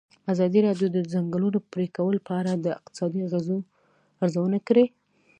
ازادي راډیو د د ځنګلونو پرېکول په اړه د اقتصادي اغېزو ارزونه کړې.